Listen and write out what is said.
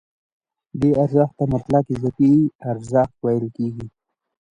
دې ارزښت ته مطلق اضافي ارزښت ویل کېږي